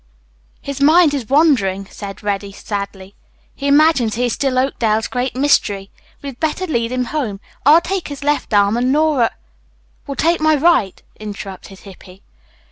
"His mind is wandering," said Reddy sadly. "He imagines he is still 'Oakdale's Great Mystery.' We had better lead him home. I'll take his left arm, and Nora " "Will take my right," interrupted Hippy.